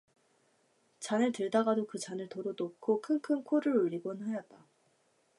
잔을 들다가도 그 잔을 도로 놓고 킁킁 코를 울리곤 하였다.